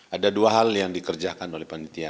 ada dua hal yang dikerjakan oleh panitia